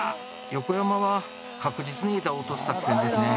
横山は確実に枝を落とす作戦ですね。